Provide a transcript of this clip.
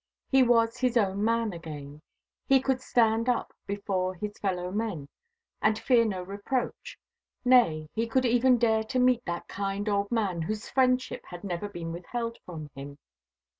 He was his own man again, he could stand up before his fellow men and fear no reproach nay, he could even dare to meet that kind old man whose friendship had never been withheld from him.